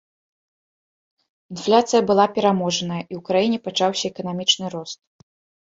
Інфляцыя была пераможаная, і ў краіне пачаўся эканамічны рост.